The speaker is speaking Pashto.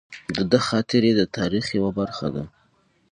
د ده خاطرې د تاریخ یوه برخه ده.